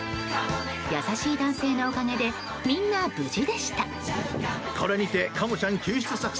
優しい男性のおかげでみんな無事でした。